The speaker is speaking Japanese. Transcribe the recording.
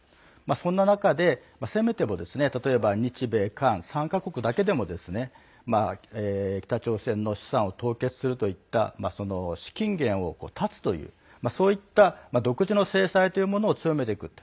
そんな中で、せめても例えば、日米韓３か国だけでも北朝鮮の資産を凍結するといった資金源を断つというそういった独自の制裁というものを強めていくと。